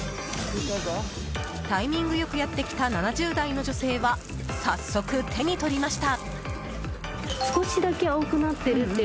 タイミングよくやってきた７０代の女性は早速、手にとりました。